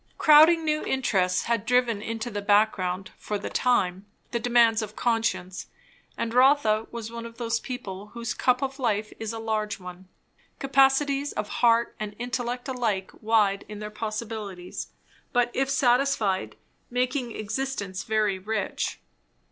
Crowding new interests had driven into the background, for the time, the demands of conscience; and Rotha was one of those people whose cup of life is a large one; capacities of heart and intellect alike wide in their possibilities, but if satisfied, making existence very rich.